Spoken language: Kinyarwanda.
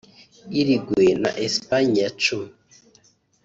Uruguay na Espagne ya cumi